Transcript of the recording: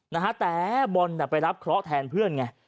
นะฮะแต่บอลน่ะไปรับเคราะห์แทนเพื่อนไง